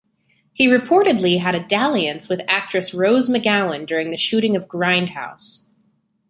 He reportedly had a "dalliance" with actress Rose McGowan during the shooting of "Grindhouse".